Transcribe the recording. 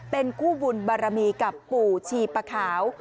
เป็นคู่บุญบารมีกับปู่ชีปะขาว